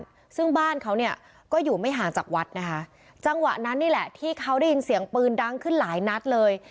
บ้านซึ่งบ้านเขาเนี่ยก็อยู่ไม่ห่างจากวัดนะคะจังหวะนั้นนี่แหละที่เขาได้ยินเสียงปืนดังขึ้นหลายนัดเลย